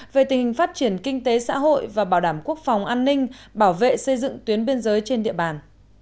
về tình hình phát triển kinh tế xã hội và bảo đảm quốc phòng an ninh bảo vệ xây dựng tuyến biên giới trên địa bàn